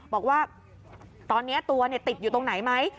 บอกว่าตอนนี้ตัวติดอยู่ตรงไหนไหม